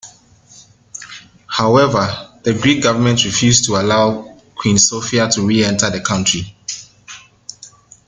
However, the Greek government refused to allow Queen Sophia to re-enter the country.